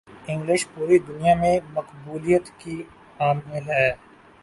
English پوری دنیا میں مقبولیت کی حامل ہے